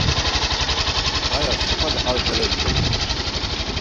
Aya sefali ar bere rt̆u.